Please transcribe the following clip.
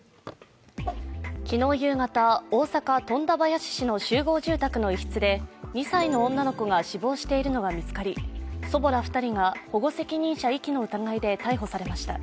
昨日夕方、大阪・富田林市の集合住宅の一室で２歳の女の子が死亡しているのが見つかり祖母ら２人が保護責任者遺棄の疑いで逮捕されました。